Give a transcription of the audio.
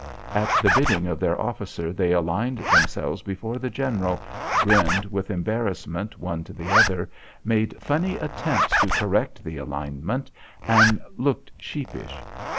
At the bidding of their officer they aligned themselves before the general, grinned with embarrassment one to the other, made funny attempts to correct the alignment, and looked sheepish.